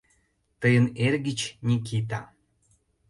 Тыйын эргыч Никита».